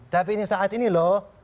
tapi ini saat ini loh